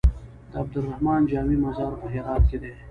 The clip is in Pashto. د عبدالرحمن جامي مزار په هرات کی دی